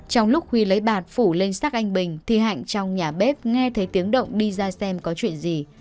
trong lúc huy lấy bạt phủ lên xác anh bình thi hạnh trong nhà bếp nghe thấy tiếng động đi ra xem có chuyện gì